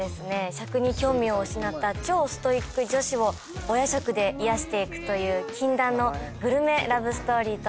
食に興味を失った超ストイック女子をお夜食で癒やしていくという禁断のグルメラブストーリーとなっています。